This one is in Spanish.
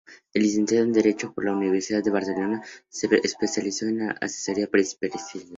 Licenciado en Derecho por la Universidad de Barcelona, se especializó en asesoría empresarial.